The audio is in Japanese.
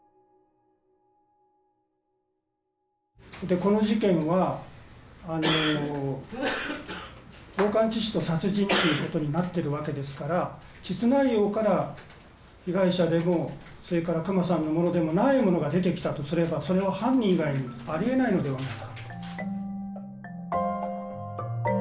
この事件は強姦致死と殺人ということになってるわけですから膣内容から被害者でもそれから久間さんのものでもないものが出てきたとすればそれは犯人以外にありえないのではないか。